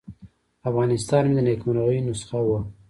افغانستان مې د نیکمرغۍ نسخه وه.